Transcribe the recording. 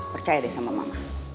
percaya deh sama mama